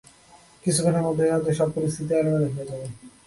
কিছুক্ষণের মধ্যেই হয়তো পরিস্থিতি এলামেলো হয়ে যাবে।